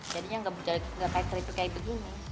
jadinya nggak terlalu kayak begini